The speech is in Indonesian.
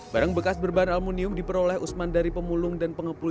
barang bekas berbahan aluminium diperoleh usman dari pemulung dan pengepul